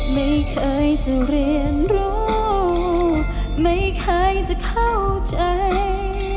ไม่เคยจะเรียนรู้ไม่เคยจะเข้าใจ